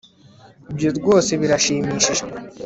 ibyo rwose birashimishije